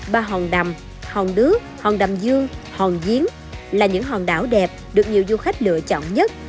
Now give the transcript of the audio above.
ba hòn đầm hòn đước hòn đầm dương hòn diến là những hòn đảo đẹp được nhiều du khách lựa chọn nhất